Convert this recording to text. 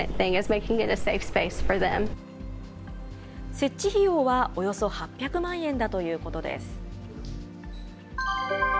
設置費用はおよそ８００万円だということです。